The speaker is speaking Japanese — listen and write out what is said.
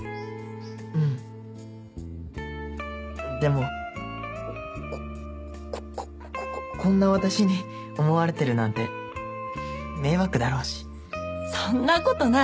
うんでもこここんな私に思われてるなんて迷惑だろうしそんなことない！